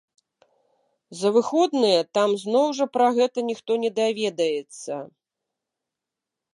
За выходныя там зноў жа пра гэта ніхто не даведаецца.